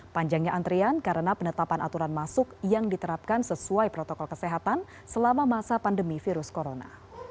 panjangnya antrian karena penetapan aturan masuk yang diterapkan sesuai protokol kesehatan selama masa pandemi virus corona